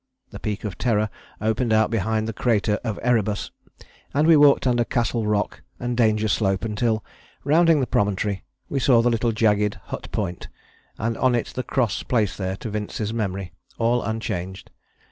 The peak of Terror opened out behind the crater of Erebus, and we walked under Castle Rock and Danger Slope until, rounding the promontory, we saw the little jagged Hut Point, and on it the cross placed there to Vince's memory, all unchanged.